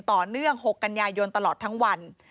ต่อเนื่อง๖กันยายนตลอดทั้งวัน